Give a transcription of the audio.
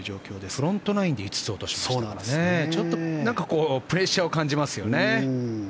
フロントナインで５つ落としましたからちょっとプレッシャーを感じますよね。